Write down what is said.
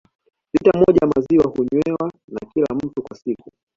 Lita moja ya maziwa hunywewa na kila mtu kwa siku